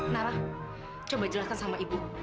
nara coba jelaskan sama ibu